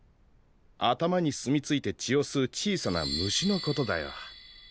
頭に住み着いて血を吸う小さな虫のことだよ。